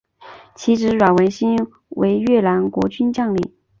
其子阮文馨为越南国军将领。